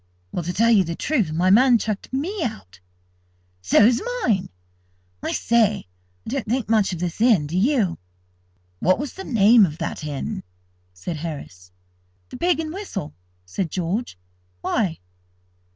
"Well, to tell you the truth, my man's chucked me out." "So's mine! I say, I don't think much of this inn, do you?" "What was the name of that inn?" said Harris. "The Pig and Whistle," said George. "Why?"